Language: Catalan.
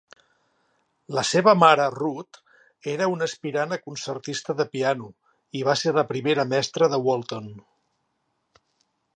La seva mare Ruth era una aspirant a concertista de piano, i va ser la primera mestra de Walton.